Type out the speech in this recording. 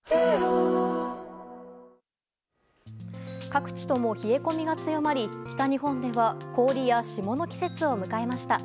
各地とも冷え込みが強まり北日本では氷や霜の季節を迎えました。